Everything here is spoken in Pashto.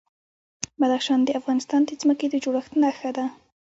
بدخشان د افغانستان د ځمکې د جوړښت نښه ده.